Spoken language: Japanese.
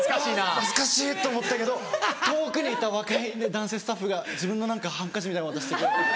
恥ずかしいと思ったけど遠くにいた若い男性スタッフが自分の何かハンカチみたいの渡してくれた。